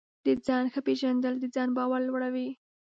د ځان ښه پېژندل د ځان باور لوړوي.